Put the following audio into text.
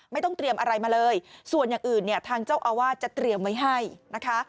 ไม่ต้องเตรียมอะไรมาเลยส่วนอย่างอื่นเนี่ยทางเจ้าอาวาสจะเตรียมไว้ให้นะคะ